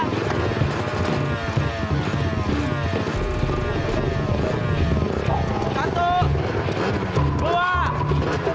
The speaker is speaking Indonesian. mana sih belum lewat juga